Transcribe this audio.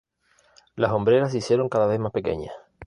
Las hombreras se hicieron cada vez más pequeñas.